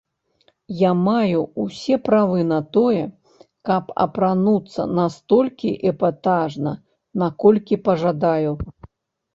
Я маю ўсе правы на тое, каб апрануцца настолькі эпатажна, наколькі пажадаю.